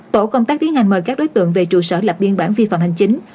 tổ công tác tiến hành mời các đối tượng về trụ sở lập biên bản vi phạm hành chính